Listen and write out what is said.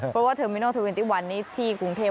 เพราะว่าเทอร์เมนอล๒๑นี่ที่กรุงเทพ